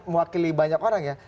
mewakili banyak orang ya